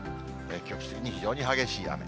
局地的に非常に激しい雨。